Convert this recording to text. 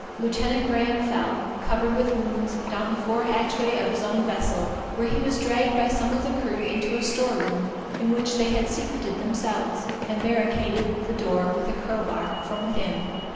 Lieut. Graham fell, covered with wounds, down the fore hatchway of his own vessel, where he was dragged by some of the crew into a store room, in which they had secreted themselves, and barricaded the door with a crow bar from within.